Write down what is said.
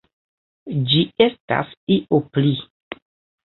Ĝi estas io pli.